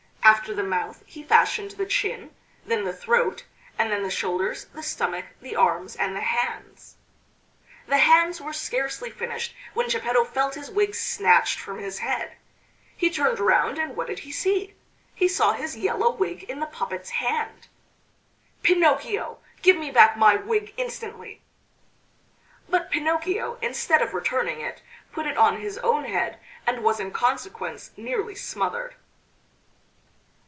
After the mouth he fashioned the chin, then the throat, and then the shoulders, the stomach, the arms and the hands. The hands were scarcely finished when Geppetto felt his wig snatched from his head. He turned round, and what did he see? He saw his yellow wig in the puppet's hand. "Pinocchio!... Give me back my wig instantly!" But Pinocchio instead of returning it, put it on his own head, and was in consequence nearly smothered.